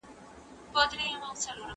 څېړنه ولي د پوهې کچه په چټکۍ سره لوړوي؟